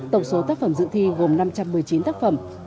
tổng số tác phẩm dự thi gồm năm trăm một mươi chín tác phẩm